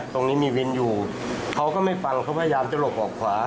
ตรงนี้มีวินอยู่เขาก็ไม่ฟังเขาพยายามจะหลบออกขวา